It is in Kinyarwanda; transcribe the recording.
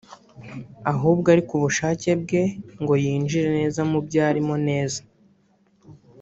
ahubwo ari ku bushake bwe ngo yinjire neza mubyo arimo neza